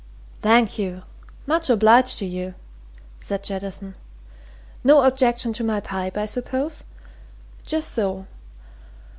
"Thank you much obliged to you," said Jettison. "No objection to my pipe, I suppose? Just so.